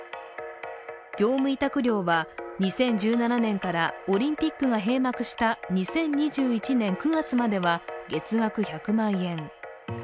業務委託料は、２０１７年からオリンピックが閉幕した２０２１年９月までは月額１００万円。